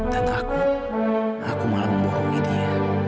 dan aku aku malah membohongi dia